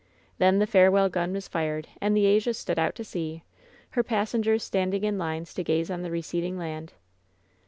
Then the farewell gun was fired, and the Asia stood out to sea — her passengers standing in lines to gaze on the recedmg land.